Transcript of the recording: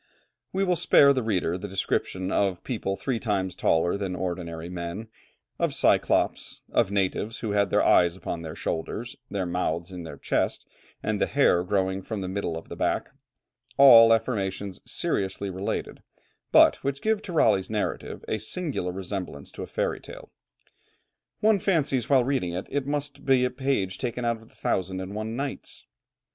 We will spare the reader the description of people three times taller than ordinary men, of cyclops, of natives who had their eyes upon the shoulders, their mouth in the chest, and the hair growing from the middle of the back all affirmations seriously related, but which give to Raleigh's narrative a singular resemblance to a fairy tale. One fancies while reading it that it must be a page taken out of the Thousand and one Nights.